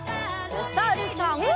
おさるさん。